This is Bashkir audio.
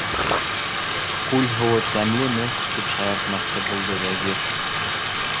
- Күл һыуы тәмлеме? - тип шаяртмаҡсы булды Вәзир.